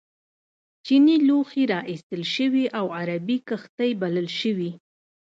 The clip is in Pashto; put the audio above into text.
چینی لوښي را ایستل شوي او عربي کښتۍ بلل شوي.